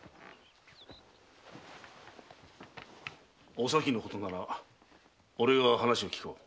おさきのことなら俺が話を聞こう。